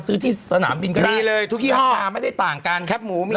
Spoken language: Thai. ซื้อที่สนามบินก็ได้มีเลยทุกยี่ห้อราคาไม่ได้ต่างกันครับหมูมีเลย